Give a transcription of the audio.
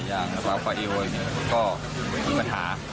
อย่างราวฟะเอโอเยมินเราก็มีปัญหา